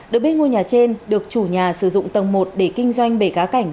được biết ngôi nhà trên được chủ nhà sử dụng tầng một để kinh doanh bể cá cảnh